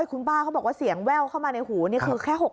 คุณป้าเขาบอกว่าเสียงแว่วเข้ามาในหูนี่คือแค่๖๐